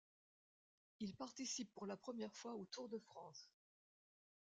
Il participe pour la première fois au Tour de France.